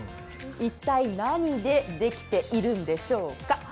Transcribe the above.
一体何でできているんでしょうか。